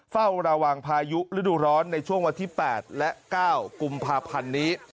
เฝ้าระวังพายุฤดูร้อนในช่วงวันที่๘และ๙กุมภาพันธ์นี้